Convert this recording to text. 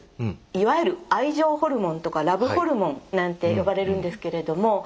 いわゆる「愛情ホルモン」とか「ラブホルモン」なんて呼ばれるんですけれども。